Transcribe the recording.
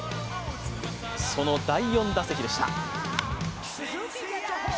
その第４打席でした。